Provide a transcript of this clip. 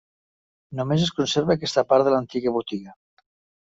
Només es conserva aquesta part de l'antiga botiga.